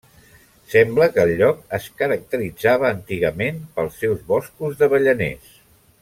Sembla que el lloc es caracteritzava antigament pels seus boscos d'avellaners.